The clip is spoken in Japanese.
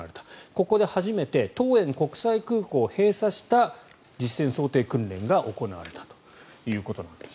ここで初めて桃園国際空港を閉鎖した実戦想定訓練が行われたということなんです。